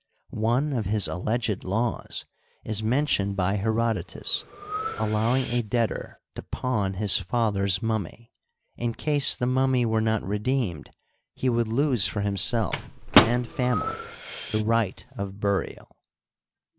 One of his alleged laws is mentioned by Herodotus : al lowing a debtor to pawn his father's mummy; in case the mummy were not redeemed, he would lose for himself and family the right of burial.